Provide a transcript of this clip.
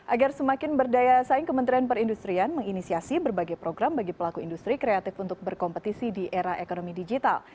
agar semakin berdaya saing kementerian perindustrian menginisiasi berbagai program bagi pelaku industri kreatif untuk berkompetisi di era ekonomi digital